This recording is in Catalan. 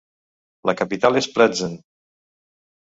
La capital és Plzeň.